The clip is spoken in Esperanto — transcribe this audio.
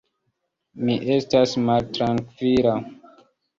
Mi estas maltrankvila.